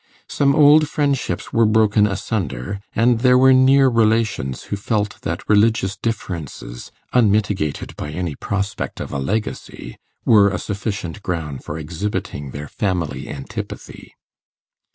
Some old friendships were broken asunder, and there were near relations who felt that religious differences, unmitigated by any prospect of a legacy, were a sufficient ground for exhibiting their family antipathy.